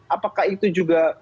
apakah itu juga